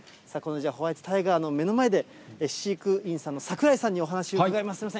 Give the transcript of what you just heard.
このホワイトタイガーの目の前で、飼育員さんの桜井さんにお話を伺います。